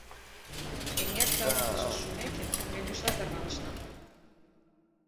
Эҥер савыртышыш шумеке, мӧҥгешла тарванышна.